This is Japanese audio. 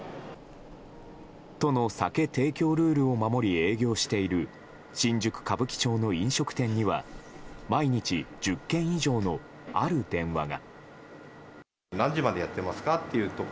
都の酒提供ルールを守り営業している新宿・歌舞伎町の飲食店には毎日１０件以上の、ある電話が。